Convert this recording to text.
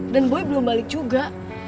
dan boy belum balik juga